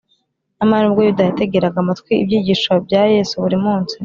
nyamara nubwo yuda yategeraga amatwi ibyigisho bya yesu buri munsi